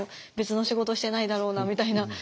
別の仕事してないだろうなみたいな。